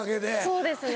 そうですね。